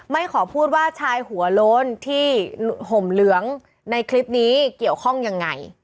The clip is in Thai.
ขอพูดว่าชายหัวโล้นที่ห่มเหลืองในคลิปนี้เกี่ยวข้องยังไง